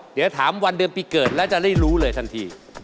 เดี๋ยวถามวันเดือนปีเกิดแล้วจะได้รู้เลยทันที